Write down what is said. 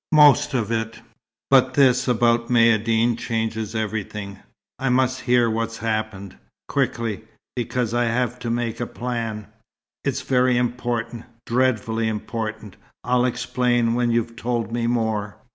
most of it. But this about Maïeddine changes everything. I must hear what's happened quickly because I shall have to make a plan. It's very important dreadfully important. I'll explain, when you've told me more.